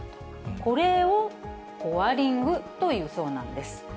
これをコアリングというそうなんです。